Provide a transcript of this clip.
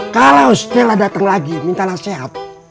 kalau stella datang lagi minta nasihat